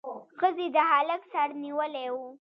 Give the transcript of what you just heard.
ښځې د هلک سر نیولی و.